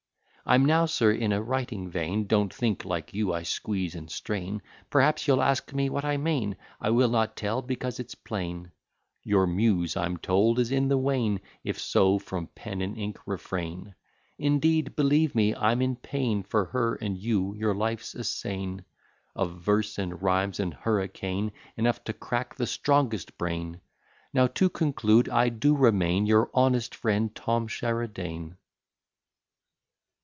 I'm now, Sir, in a writing vein; Don't think, like you, I squeeze and strain, Perhaps you'll ask me what I mean; I will not tell, because it's plain. Your Muse, I am told, is in the wane; If so, from pen and ink refrain. Indeed, believe me, I'm in pain For her and you; your life's a scene Of verse, and rhymes, and hurricane, Enough to crack the strongest brain. Now to conclude, I do remain, Your honest friend, TOM SHERIDAN.